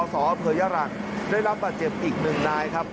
สอเภยรังได้รับบาดเจ็บอีกหนึ่งนายครับ